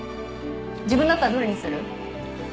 自分だったらどれにする？